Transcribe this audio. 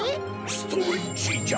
ストレッチジャ！